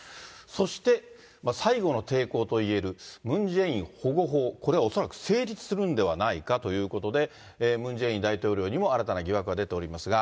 そして、最後の抵抗といえるムン・ジェイン保護法、これは恐らく成立するんではないかということで、ムン・ジェイン大統領にも新たな疑惑が出ておりますが。